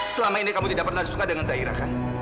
selama ini kamu tidak pernah suka dengan zaira kan